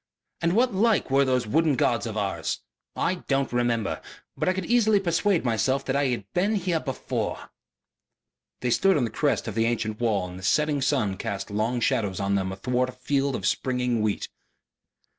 And what like were those wooden gods of ours? I don't remember.... But I could easily persuade myself that I had been here before." They stood on the crest of the ancient wall and the setting sun cast long shadows of them athwart a field of springing wheat.